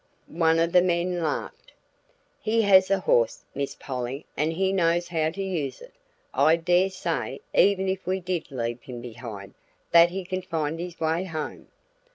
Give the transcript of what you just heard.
One of the men laughed. "He has a horse, Miss Polly, and he knows how to use it. I dare say, even if we did leave him behind, that he can find his way home."